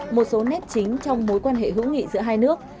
một số nét chính trong mối quan hệ hữu nghị giữa hai nước